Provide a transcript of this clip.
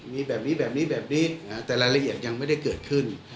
มีแบบนี้แบบนี้แบบนี้แบบนี้แต่รายละเอียดยังไม่ได้เกิดขึ้น